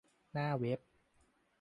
หน้าเว็บ